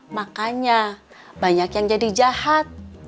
makanya banyak yang jadi jahat